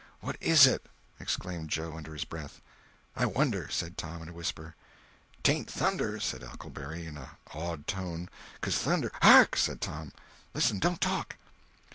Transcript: "What is it!" exclaimed Joe, under his breath. "I wonder," said Tom in a whisper. "'Tain't thunder," said Huckleberry, in an awed tone, "becuz thunder—" "Hark!" said Tom. "Listen—don't talk."